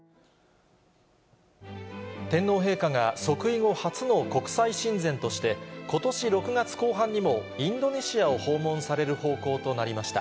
天皇陛下が、即位後初の国際親善として、ことし６月後半にもインドネシアを訪問される方向となりました。